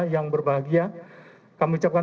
yang berbahagia kami ucapkan